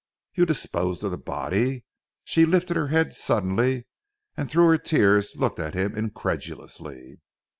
"You disposed of the body?" She lifted her head suddenly, and through her tears looked at him incredulously.